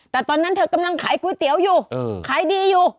แต่ตอนนั้นเธอกำลังขายก๋วยเตี๋ยวอยู่ขายดีอยู่